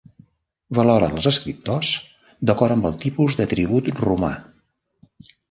Valora els escriptors d'acord amb el tipus de tribut romà.